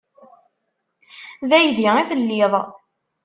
D aydi i telliḍ.